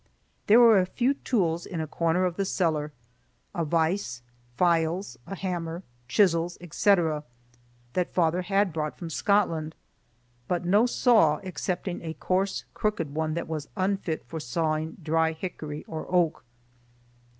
There were a few tools in a corner of the cellar,—a vise, files, a hammer, chisels, etc., that father had brought from Scotland, but no saw excepting a coarse crooked one that was unfit for sawing dry hickory or oak.